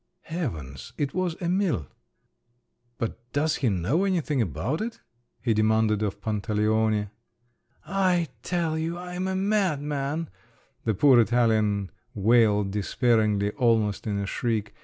Heavens! it was Emil! "But does he know anything about it?" he demanded of Pantaleone. "I tell you I'm a madman," the poor Italian wailed despairingly, almost in a shriek.